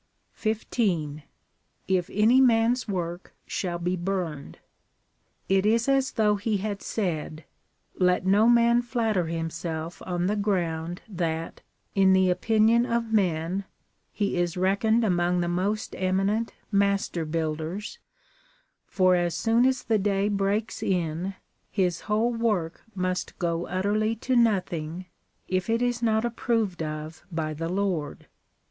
15. If any man's work shall he burned. It is as though he had said : Let no man flatter himself on the ground that, in the opinion of men, he is reckoned among the most emi nent master builders, for as soon as the day breaks in, his whole work must go utterly to nothing, if it is not approved of by the Lord.